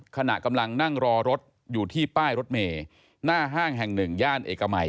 ขณะกำลังนั่งรอรถอยู่ที่ป้ายรถเมย์หน้าห้างแห่งหนึ่งย่านเอกมัย